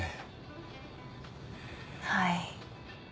はい。